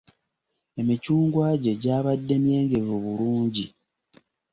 Emicungwa gye gyabadde myengevu bulungi.